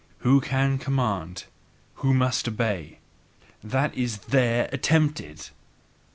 Who can command, who must obey THAT IS THERE ATTEMPTED!